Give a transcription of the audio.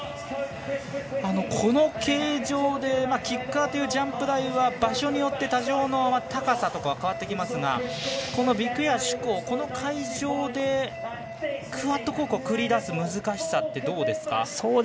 この形状でキッカーというジャンプ台は場所によって多少の高さとかは変わってきますがこのビッグエア首鋼この会場でクワッドコークを繰り出す難しさというのはどうですか？